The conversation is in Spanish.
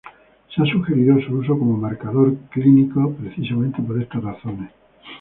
Se ha sugerido su uso como marcador clínico precisamente por estas razones.